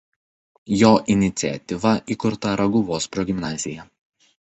Jo iniciatyva įkurta Raguvos progimnazija.